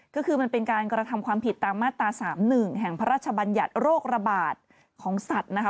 ก็คือมันเป็นการกระทำความผิดตามมาตรา๓๑แห่งพระราชบัญญัติโรคระบาดของสัตว์นะคะ